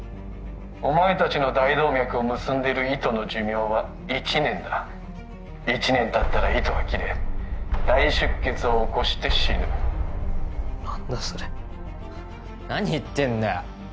お前達の大動脈を結んでる糸の寿命は一年だ一年たったら糸は切れ大出血を起こして死ぬ何だそれ何言ってんだよ